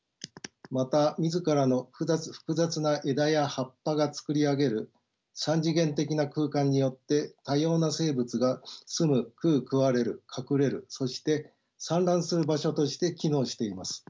また自らの複雑な枝や葉っぱがつくり上げる三次元的な空間によって多様な生物が住む食う食われる隠れるそして産卵する場所として機能しています。